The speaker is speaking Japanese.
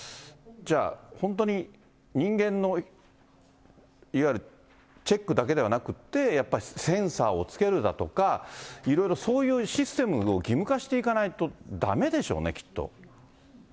じゃあ、本当に人間のいわゆるチェックだけではなくて、やっぱりセンサーをつけるだとか、いろいろそういうシステムを義務化していかないとだめでしょうね、きっと。